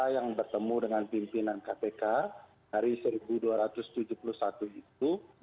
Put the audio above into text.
yang bertemu dengan pimpinan kpk dari satu dua ratus tujuh puluh satu itu